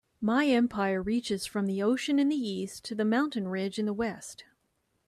My empire reaches from the ocean in the East to the mountain ridge in the West.